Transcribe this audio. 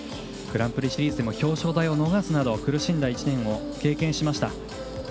グランプリシリーズでも表彰台を逃すなど苦しんだ１年を経験しました。